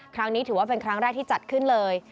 ครั้งนี้ถือว่าเป็นครั้งแรกที่จัดขึ้นเลย